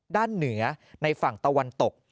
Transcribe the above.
เหนือในฝั่งตะวันตก